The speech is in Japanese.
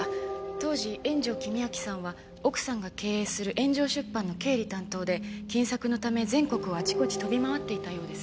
当時円城公昭さんは奥さんが経営する円城出版の経理担当で金策のため全国をあちこち飛び回っていたようです。